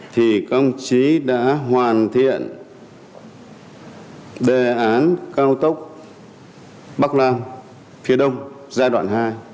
thì công chí đã hoàn thiện đề án cao tốc bắc nam phía đông giai đoạn hai